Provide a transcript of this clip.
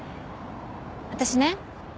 私ね